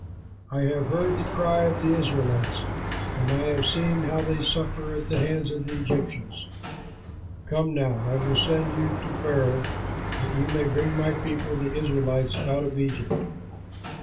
I have heard the cry of the Israelites and I have seen how they suffer at the hands of the Egyptians. Come now, I will send you to Pharaoh that you may bring my people, the Israelites, out of Egypt."